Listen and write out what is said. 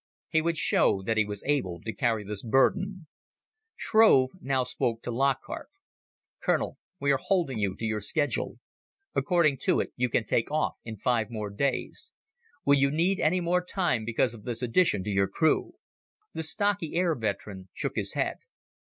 He would show that he was able to carry this burden. Shrove now spoke to Lockhart. "Colonel, we are holding you to your schedule. According to it, you can take off in five more days. Will you need any more time because of this addition to your crew?" The stocky air veteran shook his head.